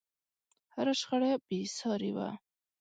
هره شخړه بې سارې وي.